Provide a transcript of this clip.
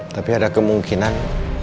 tapi ada kemungkinan